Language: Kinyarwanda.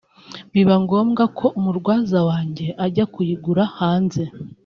biba ngombwa ko umurwaza wanjye ajya kuyigura hanze